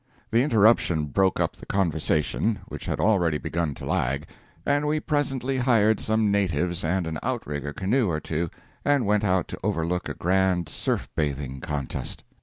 The interruption broke up the conversation, which had already begun to lag, and we presently hired some natives and an out rigger canoe or two, and went out to overlook a grand surf bathing contest.